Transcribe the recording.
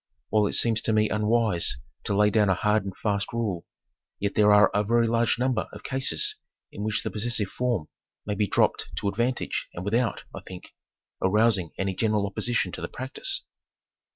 While it seems tome unwise to lay down a hard and fast rule, yet there are a very large number of cases in which the possessive form may be dropped to advantage and without, I think, arousing any general opposition to the practice.